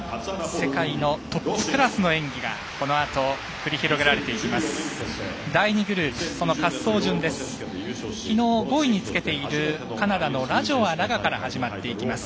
世界のトップクラスの演技がこのあと繰り広げられていきます。